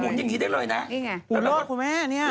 มุนอย่างนี้ได้เลยนะ